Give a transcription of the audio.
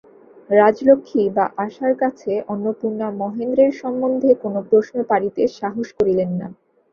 রাজলক্ষ্মী বা আশার কাছে অন্নপূর্ণা মহেন্দ্রের সম্বন্ধে কোনো প্রশ্ন পাড়িতে সাহস করিলেন না।